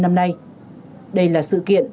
năm nay đây là sự kiện